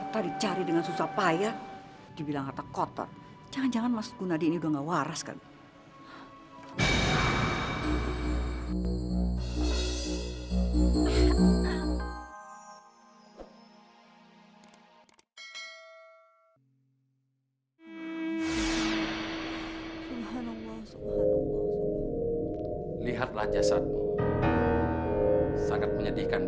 saya menyesali semua perbuatan yang pernah saya lakukan